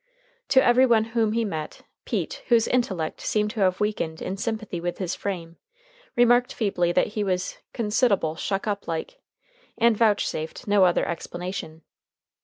To every one whom he met, Pete, whose intellect seemed to have weakened in sympathy with his frame, remarked feebly that he was consid'able shuck up like, and vouchsafed no other explanation.